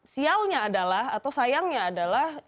sialnya adalah atau sayangnya adalah